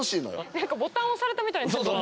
何かボタン押されたみたい。